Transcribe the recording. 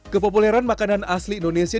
kepopuleran makanan asli indonesia